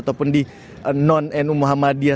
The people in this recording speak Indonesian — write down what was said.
ataupun di non nu muhammadiyah